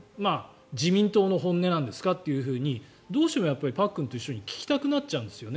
自民党の本音なんですかとどうしてもパックンと一緒で聞きたくなっちゃうんですよね。